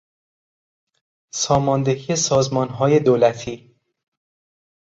ساماندهی سازمانهای دولتی